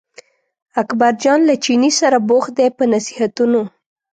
اکبرجان له چیني سره بوخت دی په نصیحتونو.